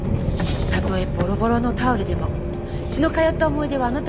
たとえボロボロのタオルでも血の通った思い出はあなたを癒やすわ。